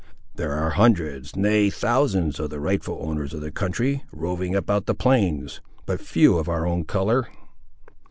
"There are hundreds, nay, thousands of the rightful owners of the country, roving about the plains; but few of our own colour."